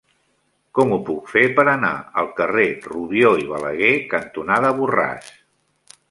Com ho puc fer per anar al carrer Rubió i Balaguer cantonada Borràs?